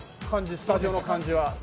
スタジオの感じ。